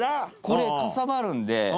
これかさばるんで。